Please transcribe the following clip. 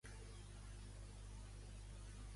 Quants germans va voler assassinar el déu?